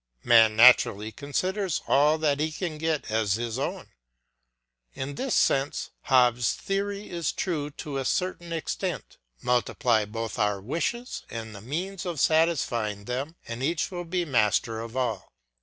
Man naturally considers all that he can get as his own. In this sense Hobbes' theory is true to a certain extent: Multiply both our wishes and the means of satisfying them, and each will be master of all.